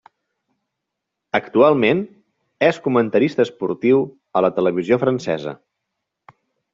Actualment és comentarista esportiu a la televisió francesa.